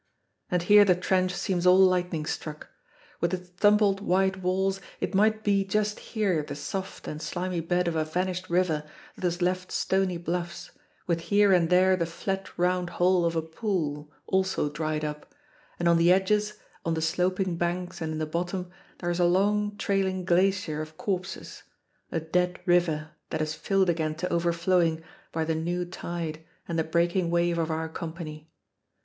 And here the trench seems all lightning struck. With its tumbled white walls it might be just here the soft and slimy bed of a vanished river that has left stony bluffs, with here and there the flat round hole of a pool, also dried up; and on the edges, on the sloping banks and in the bottom, there is a long trailing glacier of corpses a dead river that is filled again to overflowing by the new tide and the breaking wave of our company.